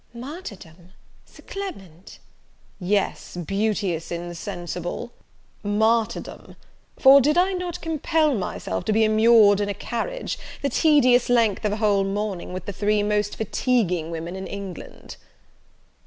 "Martyrdom! Sir Clement." "Yes, beauteous insensible! martyrdom: for did I not compel myself to be immured in a carriage, the tedious length of a whole morning, with the three most fatiguing women in England?"